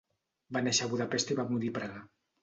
Va néixer a Budapest i va morir a Praga.